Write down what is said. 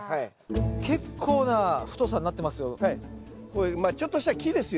結構な太さになってますよ。